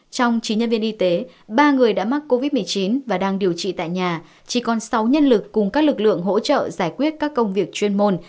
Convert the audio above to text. trong chín nhân viên y tế ba người đã mắc covid một mươi chín và đang điều trị tại nhà chỉ còn sáu nhân lực cùng các lực lượng hỗ trợ giải quyết các công việc chuyên môn